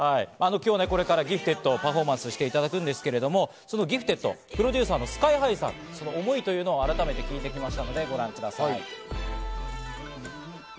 今日これから『Ｇｉｆｔｅｄ．』をパフォーマンスしていただきますがその『Ｇｉｆｔｅｄ．』、プロデューサーのＳＫＹ−ＨＩさん、思いを改めて聞いてきましたので、ご覧ください。